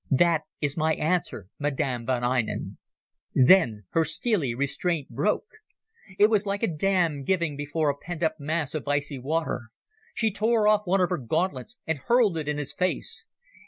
That is my answer, Madam von Einem." Then her steely restraint broke. It was like a dam giving before a pent up mass of icy water. She tore off one of her gauntlets and hurled it in his face.